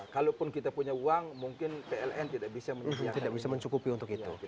kalaupun kita punya uang mungkin pln tidak bisa mencukupi untuk itu